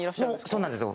そうなんですよ